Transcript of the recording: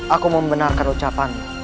aku membenarkan ucapanmu